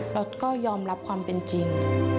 เราก็ยอมรับความเป็นจริง